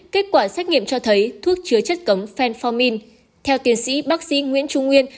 kết quả xét nghiệm cho thấy thuốc chứa chất cấm fanformin theo tiến sĩ bác sĩ nguyễn trung nguyên